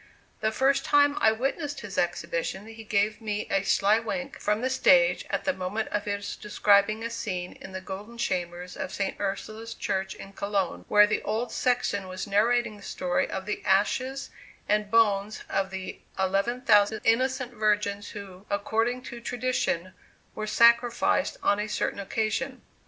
The first time I witnessed his exhibition he gave me a sly wink from the stage at the moment of his describing a scene in the golden chamber of St. Ursula's church in Cologne, where the old sexton was narrating the story of the ashes and bones of the eleven thousand innocent virgins who, according to tradition, were sacrificed on a certain occasion.